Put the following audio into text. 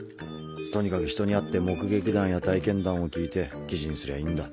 とにかく人に会って目撃談や体験談を聞いて記事にすりゃいいんだ。